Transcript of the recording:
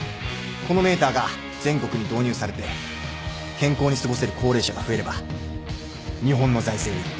このメーターが全国に導入されて健康に過ごせる高齢者が増えれば日本の財政に数千億円のインパクトが与えられる。